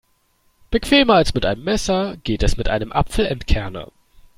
Bequemer als mit einem Messer geht es mit einem Apfelentkerner.